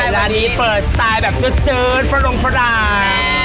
ร้านนี้เปิดสไตล์แบบเจ็ดฟรรงฟรราย